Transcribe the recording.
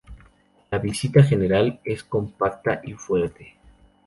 La vista general es compacta y fuerte.